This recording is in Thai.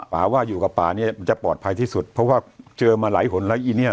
ป่าว่าอยู่กับป่าเนี้ยมันจะปลอดภัยที่สุดเพราะว่าเจอมาหลายหนแล้วอีเนี้ย